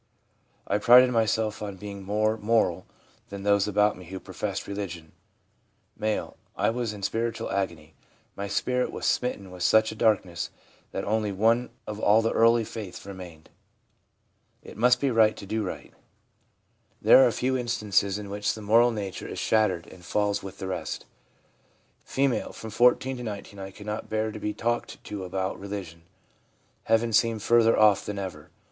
I prided myself on being more moral than those about me who professed religion/ M. 'I was in spiritual agony; my spirit was smitten with such a darkness that only one of all the early feiths remained, // must be right to do right! There SUBSTITUTES FOR RELIGIOUS FEELING 271 are a few instances in which the moral nature is shattered and falls with the rest. F. c From 14 to 19 I could not bear to be talked to about religion. Heaven seemed further off than ever.